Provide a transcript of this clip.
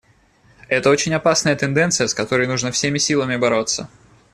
Это очень опасная тенденция, с которой нужно всеми силами бороться.